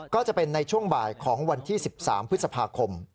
ก็จะเป็นในช่วงบ่ายของวันที่๑๓พฤษภาคม